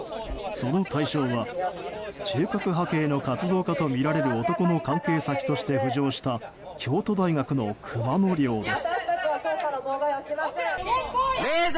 その対象は中核派系の活動家とみられる男の関係先として浮上した京都大学の熊野寮です。